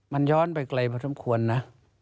มันย้อนไปไกลไม่ทั้งควรนะ